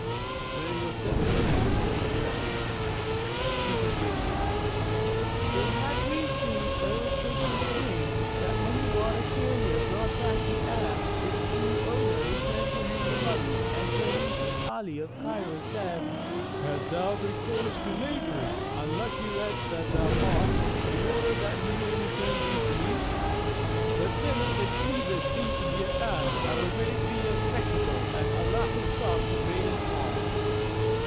When it was the Seven Hundred and Seventeenth Night, She continued, It hath reached me, O auspicious King, that when the water carrier brought back the ass, its Jew owner returned to him the monies and turning to Ali of Cairo said, "Hast thou recourse to knavery, unlucky wretch that thou art, in order that he may return thee to me? But since it pleaseth thee to be an ass, I will make thee a spectacle and a laughing stock to great and small."